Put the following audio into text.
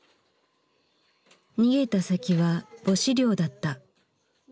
逃げた先は母子寮だった。